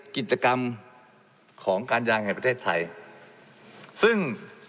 ของการยางแห่งประเทศไทยซึ่ง